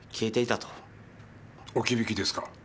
置き引きですか？